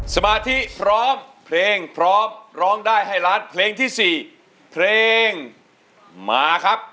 สมาธิพร้อมเพลงพร้อมร้องได้ให้ล้านเพลงที่๔เพลงมาครับ